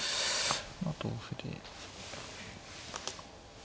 まあ同歩で。